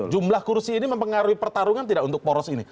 jumlah kursi ini mempengaruhi pertarungan tidak untuk poros ini